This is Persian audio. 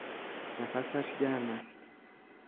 نفسش گرم است